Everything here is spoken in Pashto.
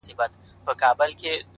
ما خو خپل زړه هغې ته وركړى ډالۍ-